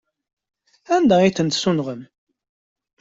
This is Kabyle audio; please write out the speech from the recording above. Anda ay tent-tessunɣem?